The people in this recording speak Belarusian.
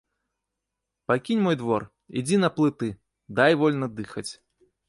Пакінь мой двор, ідзі на плыты, дай вольна дыхаць.